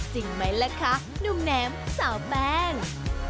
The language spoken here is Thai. จริงไหมล่ะคะหนุ่มแหนมสาวแป้ง